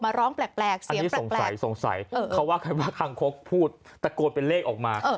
อันนี้สงสัยเขาว่าใครว่าคางโคกพูดตะโกดเป็นเลขออกมา